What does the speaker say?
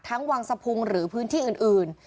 วังสะพุงหรือพื้นที่อื่น